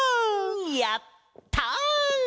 やった！